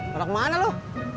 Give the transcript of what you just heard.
melok mana lu